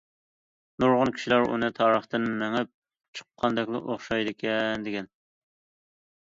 نۇرغۇن كىشىلەر ئۇنى تارىختىن مېڭىپ چىققاندەكلا ئوخشايدىكەن دېگەن.